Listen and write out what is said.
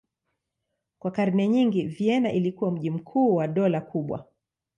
Kwa karne nyingi Vienna ilikuwa mji mkuu wa dola kubwa.